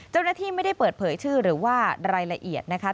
เจ้าหน้าที่ไม่ได้เปิดเผยชื่อหรือว่ารายละเอียดนะคะ